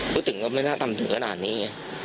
พูดถึงก็ไม่น่าตามถึงกระดาษนี้